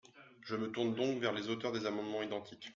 Je me tourne donc vers les auteurs des amendements identiques.